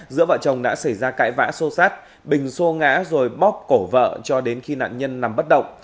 giữa vợ chồng đã xảy ra cãi vã sô sát bình xô ngã rồi bóp cổ vợ cho đến khi nạn nhân nằm bất động